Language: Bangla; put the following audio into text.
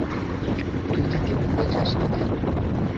তুই তাকে ভুলে যাস না কেন?